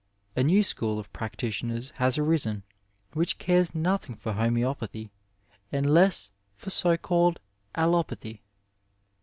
A new school of practitioners has arisen which cares nothing for homoeo pathy and less for so called allopathy.